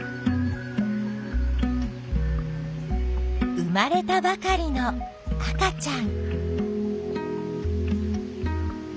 生まれたばかりの赤ちゃん。